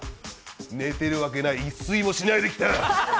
寝てるわけない、一睡もしないで来た。